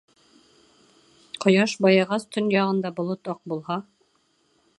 Ҡояш байығас, төньяғында болот аҡ булһа